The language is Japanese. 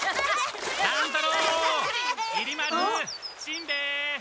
乱太郎きり丸しんべヱ。